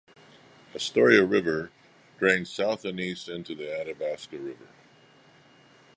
The Astoria River drains south and east into the Athabasca River.